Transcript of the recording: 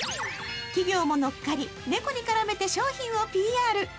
企業ものっかり猫に絡めて商品をＰＲ。